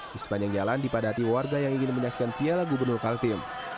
di sepanjang jalan dipadati warga yang ingin menyaksikan piala gubernur kaltim